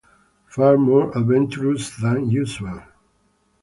Far more adventurous than usual.